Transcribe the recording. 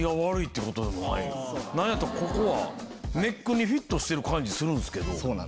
なんやったらここはネックにフィットしてる感じするんですけど違うの？